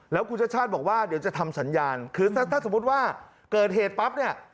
แล้วคุณชาติชาติบอกว่าเดี๋ยวจะทำสัญญาณคือถ้าสมมุติว่าเกิดเหตุปั๊บเนี่ย